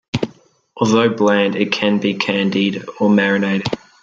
Although bland, it can be candied or marinated.